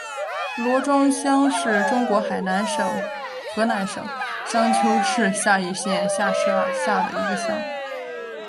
罗庄乡是中国河南省商丘市夏邑县下辖的一个乡。